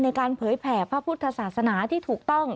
เผยแผ่พระพุทธศาสนาที่ถูกต้อง